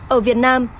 ở việt nam